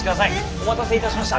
お待たせいたしました。